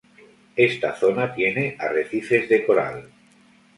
Esta zona tiene arrecifes de coral.